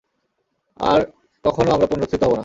আর কখনও আমরা পুনরুত্থিত হব না।